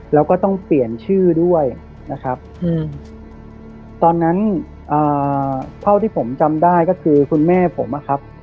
แล้วก็ต้องเปลี่ยนชื่อด้วยนะครับตอนนั้นเท่าที่ผมจำได้ก็คือคุณแม่ผมอะครับ